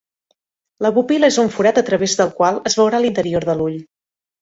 La pupil·la és un forat a través del qual es veurà l'interior de l'ull.